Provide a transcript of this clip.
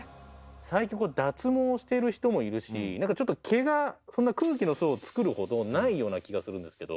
最近はこう脱毛をしている人もいるし何かちょっと毛が空気の層を作るほどないような気がするんですけど。